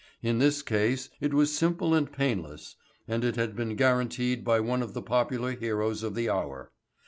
In this case it was simple and painless, and it had been guaranteed by one of the popular heroes of the hour.